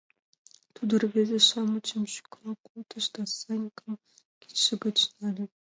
— Тудо рвезе-шамычым шӱкал колтыш да Санькам кидше гыч нале: